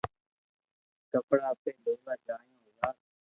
ڪپڙا اپي ليوا جايو بزار